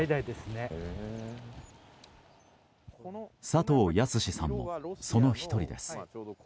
佐藤祥史さんもその１人です。